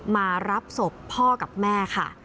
มารับศพพ่อกับแม่ค่ะ